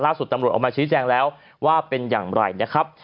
ตำรวจออกมาชี้แจงแล้วว่าเป็นอย่างไรนะครับ